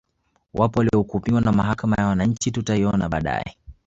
Wapo waliohukumiwa na Mahakama ya wananchi tutaiona baadae